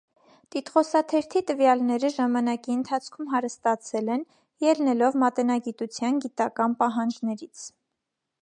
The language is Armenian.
Տիտղոսաթերթի տվյալները ժամանակի ընթացքում հարստացել են՝ ելնելով մատենագիտության գիտական պահանջներից։